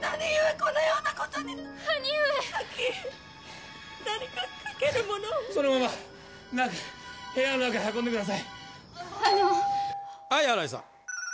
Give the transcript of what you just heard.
このようなことに兄上・咲何か掛けるものをそのまま中へ部屋の中へ運んでくださいはい新井さん